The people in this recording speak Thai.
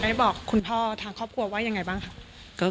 ได้บอกคุณพ่อทางครอบครัวว่ายังไงบ้างครับ